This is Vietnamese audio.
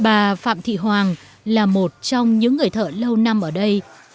bà phạm thị hoàng là một trong những người thợ lâu năm ở đây